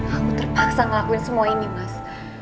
aku terpaksa ngelakuin semua ini mas